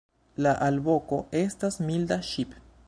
La alvoko estas milda "ŝip".